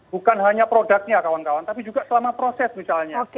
bukan hanya produknya kawan kawan tapi juga selama proses misalnya